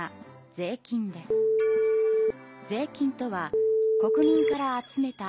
税金とは国民から集めたお金のこと。